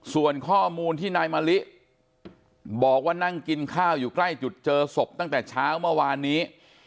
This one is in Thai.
ส่วนข้อมูลที่นายมะลิบอกว่านั่งกินข้าวอยู่ใกล้จุดเจอศพตั้งแต่เช้าเมื่อวานนี้